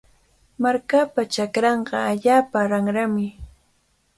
Markapa chakranqa allaapa ranrami.